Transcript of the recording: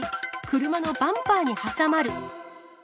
車のバンパーに挟まる。